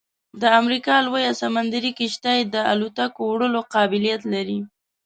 د امریکا لویه سمندري کشتۍ د الوتکو وړلو قابلیت لري